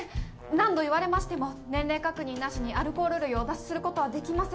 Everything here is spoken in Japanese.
何度言われましても年齢確認なしにアルコール類をお出しすることはできません。